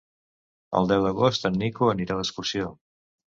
El deu d'agost en Nico anirà d'excursió.